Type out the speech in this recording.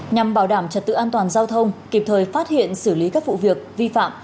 nhằm bảo đảm trật tự an toàn giao thông kịp thời phát hiện xử lý các vụ việc vi phạm